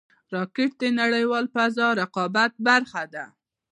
راکټ د نړیوال فضا رقابت برخه ده